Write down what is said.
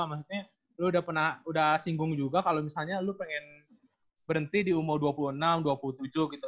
maksudnya lo udah singgung juga kalau misalnya lo pengen berhenti di umur dua puluh enam dua puluh tujuh gitu